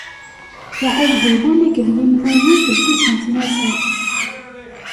Iɛawdiwen akked yimnayen tewwi-ten tnafa.